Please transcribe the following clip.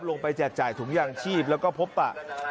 แจกจ่ายถุงยางชีพแล้วก็พบปะ